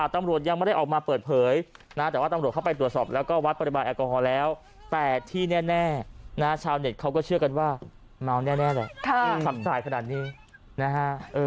ที่แน่ชาวเด็ดเขาก็เชื่อกันว่ามาวแน่แหละขับสายขนาดนี้นะฮะ